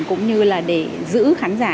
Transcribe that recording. cũng như là để giữ khán giả